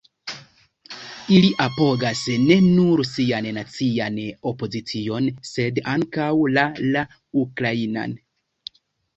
Ili apogas ne nur sian nacian opozicion sed ankaŭ la la ukrainan.